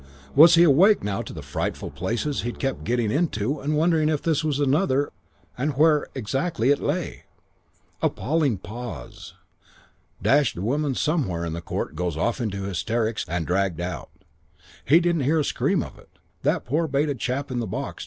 Was he awake now to the frightful places he kept getting into and wondering if this was another and where exactly it lay? Appalling pause. Dashed woman somewhere in the court goes off into hysterics and dragged out. He didn't hear a scream of it, that poor baited chap in the box.